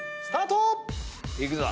いくぞ。